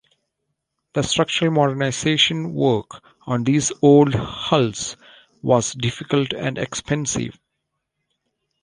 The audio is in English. The structural modernisation work on these old hulls was difficult and expensive.